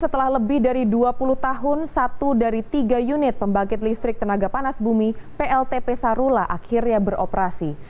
setelah lebih dari dua puluh tahun satu dari tiga unit pembangkit listrik tenaga panas bumi pltp sarula akhirnya beroperasi